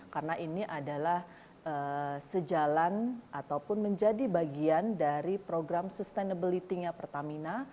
karena ini adalah sejalan ataupun menjadi bagian dari program sustainability nya pertamina